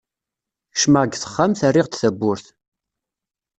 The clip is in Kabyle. Kecmeɣ deg texxamt, rriɣ-d tawwurt.